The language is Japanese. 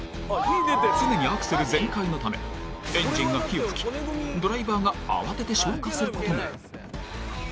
常にアクセル全開のためエンジンが火を噴きドライバーが慌てて消火することに。